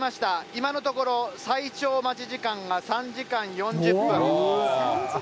今のところ、最長待ち時間が３時間４０分。